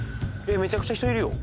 めちゃくちゃ人いるよ